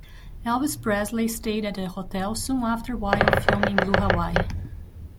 Elvis Presley stayed at the hotel soon after while filming "Blue Hawaii".